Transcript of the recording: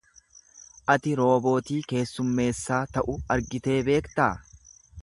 Ati roobootii kessummeessaa ta'u argitee beektaa?